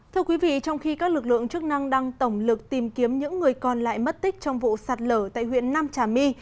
thưa quý vị trong khi các lực lượng chức năng đang tổng lực tìm kiếm những người còn lại mất tích trong vụ sạt lở tại huyện nam trà my